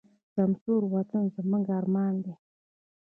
سمسور وطن زموږ ارمان دی.